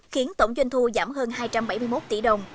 khiến tổng doanh thu giảm hơn hai trăm bảy mươi một tỷ đồng